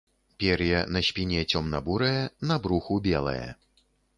Пер'е на спіне цёмна-бурае, на бруху белае.